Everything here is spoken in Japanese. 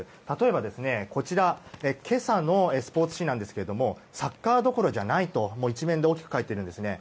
例えば今朝のスポーツ紙なんですがサッカーどころじゃないと１面で大きく書いているんです。